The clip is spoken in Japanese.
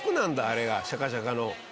あれがシャカシャカの。